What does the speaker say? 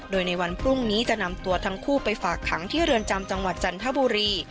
โดยในวันพรุ่งนี้จะนำตัวทั้งคู่ไปฝากขังที่เรือนจำจังหวัดจันทบุรี